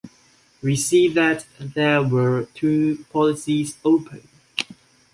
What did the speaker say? We see that there were two policies open.